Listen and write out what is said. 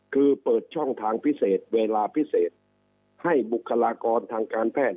คือเปิดช่องทางพิเศษเวลาพิเศษให้บุคลากรทางการแพทย์